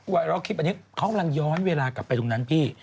วันลอลคลิปนี้เขามันย้อนเวลากลับไปตรงนั้นพี่